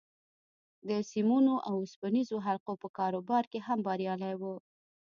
د سيمونو او اوسپنيزو حلقو په کاروبار کې هم بريالی و.